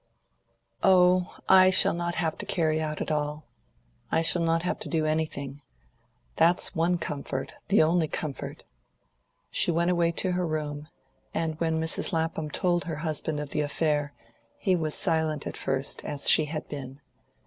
"Oh, I shall not have to carry out at all. I shall not have to do anything. That's one comfort the only comfort." She went away to her own room, and when Mrs. Lapham told her husband of the affair, he was silent at first, as she had been.